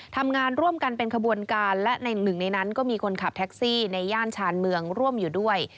ทำงานร่วมกันเป็นขบวนการและในหนึ่งในนั้นก็มีคนขับแท็กซี่ในย่านชานเมืองร่วมอยู่ด้วย